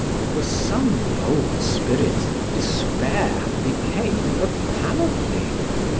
For some bold spirits despair became a panoply.